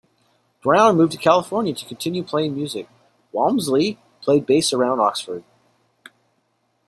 Browne moved to California to continue playing music, Walmsley played bass around Oxford.